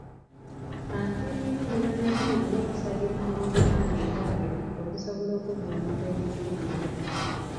Asiimye nnyo ne Bannaddiini olw'okusabiranga Obuganda entakera okusobola okuvvuunuka ebizibu bino.